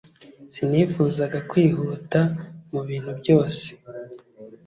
Sinifuzaga kwihuta mubintu byose